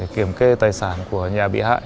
kiểm kê tài sản của nhà bị hại